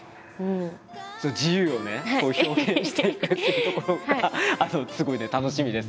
自由をね表現していくっていうところがすごいね楽しみです。